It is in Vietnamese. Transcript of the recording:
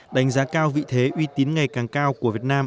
đánh giá cao vị thế uy tín ngày càng cao của việt nam